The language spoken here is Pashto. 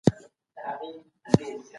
ټولنيز چاپېريال بايد د اوسېدو وړ وي.